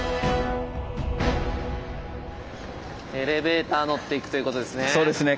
エレベーター乗っていくということですね。